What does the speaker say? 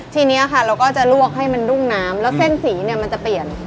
ทีนี้ค่ะเราก็จะลวกให้มันดุ้งน้ำแล้วเส้นสีเนี่ยมันจะเปลี่ยน